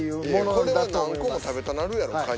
いやこれは何個も食べたなるやろカニは。